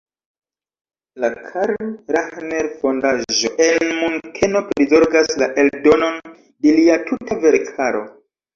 La Karl-Rahner-Fondaĵo en Munkeno prizorgas la eldonon de lia tuta verkaro.